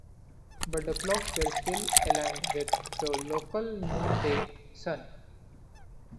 But the clocks were still aligned with the local noonday sun.